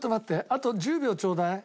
あと１０秒ちょうだい。